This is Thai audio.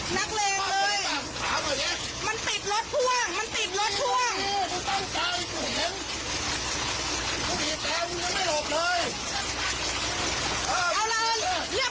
นักเลงเลยมันติดรถพ่วงมันติดรถพ่วง